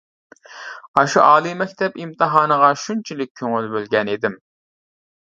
ئاشۇ ئالىي مەكتەپ ئىمتىھانىغا شۇنچىلىك كۆڭۈل بۆلگەن ئىدىم.